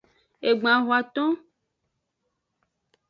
Egban hoaton.